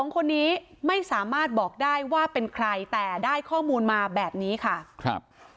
๒คนนี้ไม่สามารถบอกได้ว่าเป็นใครแต่ได้ข้อมูลมาแบบนี้ค่ะครับ